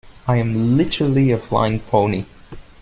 I'm literally a flying pony.